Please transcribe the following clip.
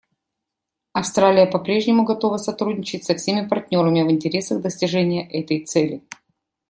Австралия попрежнему готова сотрудничать со всеми партнерами в интересах достижения этой цели.